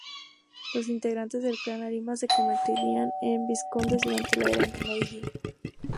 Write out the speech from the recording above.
Los integrantes del Clan Arima se convertirían en vizcondes durante la era Meiji.